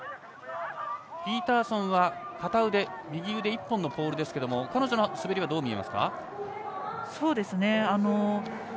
ピーターソンは右腕１本のポールですが彼女の滑りはどう見えますか？